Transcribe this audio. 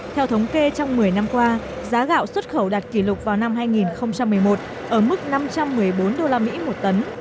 theo thống kê trong một mươi năm qua giá gạo xuất khẩu đạt kỷ lục vào năm hai nghìn một mươi một ở mức năm trăm một mươi bốn usd một tấn